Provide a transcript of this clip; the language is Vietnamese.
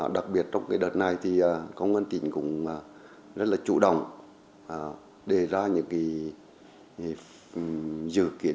đặc biệt trong đợt này thì công an tỉnh cũng rất là chủ động đề ra những dự kiến